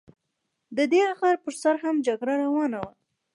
د دې غر پر سر هم جګړه روانه وه.